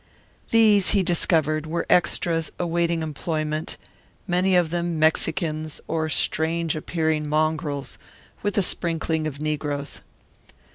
These, he discovered, were extras awaiting employment, many of them Mexicans or strange appearing mongrels, with a sprinkling of Negroes.